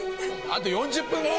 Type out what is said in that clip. あと４０分後！？